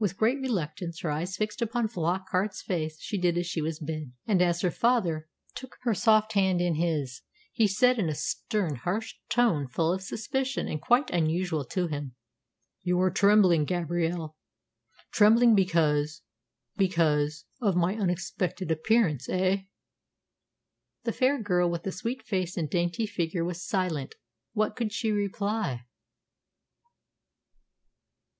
With great reluctance, her eyes fixed upon Flockart's face, she did as she was bid, and as her father took her soft hand in his, he said in a stern, harsh tone, full of suspicion and quite unusual to him, "You are trembling, Gabrielle trembling, because because of my unexpected appearance, eh?" The fair girl with the sweet face and dainty figure was silent. What could she reply?